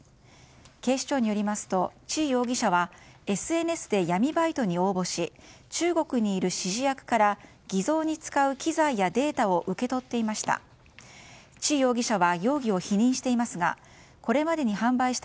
警視庁によりますとチ容疑者はＳＮＳで闇バイトに応募し中国にいる指示役から偽造に使う機材やデータを受け取っていました。